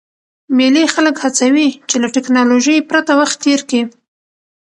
مېلې خلک هڅوي، چي له ټکنالوژۍ پرته وخت تېر کي.